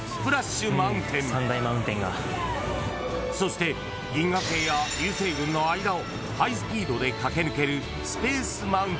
［そして銀河系や流星群の間をハイスピードで駆け抜ける］